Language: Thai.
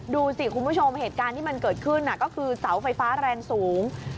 ดูสิคุณผู้ชมเหตุการณ์ที่มันเกิดขึ้นก็คือเสาไฟฟ้าแรงสูง